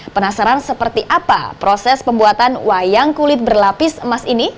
penasaran seperti apa proses pembuatan wayang kulit berlapis emas ini